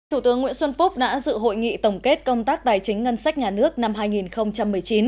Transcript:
thủ tướng nguyễn xuân phúc đã dự hội nghị tổng kết công tác tài chính ngân sách nhà nước năm hai nghìn một mươi chín